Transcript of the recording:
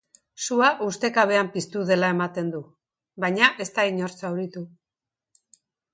Sua ustekabean piztu dela ematen du, baina ez du inor zauritu.